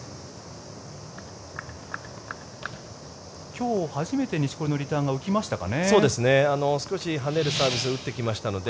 今日初めて、錦織のリターンが浮きましたかね。